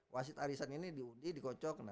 wasit arisan ini diuji dikocok